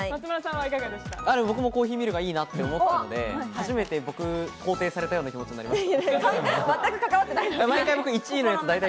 僕もコーヒーミルがいいなと思ったので、初めて僕、肯定されたような気持ちになりました。